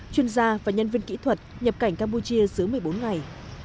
chuyên gia và nhân viên kỹ thuật nhập cảnh campuchia dưới một mươi bốn ngày